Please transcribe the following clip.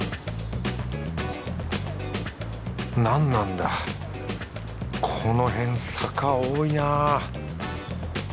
なんなんだこのへん坂多いな